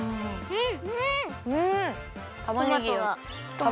うん。